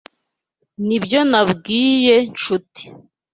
Nibyo nabwiye Nshuti.